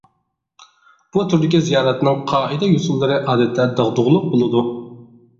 بۇ تۈردىكى زىيارەتنىڭ قائىدە-يوسۇنلىرى ئادەتتە داغدۇغىلىق بولىدۇ.